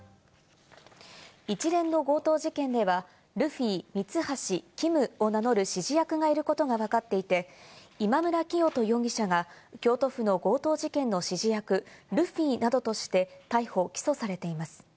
一連の強盗事件では、ルフィ、ミツハシ、キムを名乗る指示役がいることがわかっていて、今村磨人容疑者が京都府の強盗事件の指示役ルフィなどとして逮捕・起訴されています。